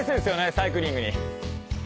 サイクリングに。